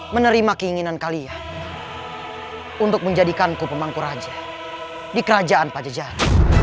menerima keinginan kalian untuk menjadikanku pemangku raja di kerajaan pajajar